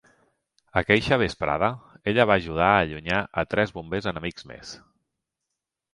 Aqueixa vesprada ella va ajudar a allunyar a tres bombers enemics més.